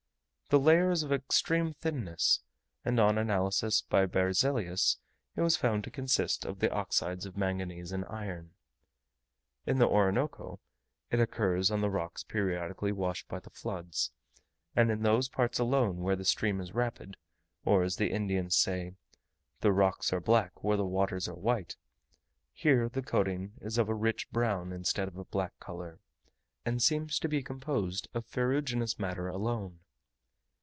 The layer is of extreme thinness; and on analysis by Berzelius it was found to consist of the oxides of manganese and iron. In the Orinoco it occurs on the rocks periodically washed by the floods, and in those parts alone where the stream is rapid; or, as the Indians say, "the rocks are black where the waters are white." Here the coating is of a rich brown instead of a black colour, and seems to be composed of ferruginous matter alone.